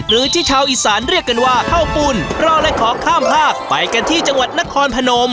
หรือที่ชาวอีสานเรียกกันว่าข้าวปุ่นเราเลยขอข้ามภาคไปกันที่จังหวัดนครพนม